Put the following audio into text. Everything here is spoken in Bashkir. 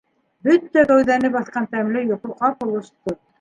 Бөтә кәүҙәне баҫҡан тәмле йоҡо ҡапыл осто.